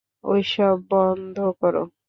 ঐসব বন্ধ করো।